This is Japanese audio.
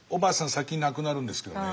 先に亡くなるんですけどね。